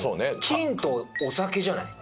菌とお酒じゃない？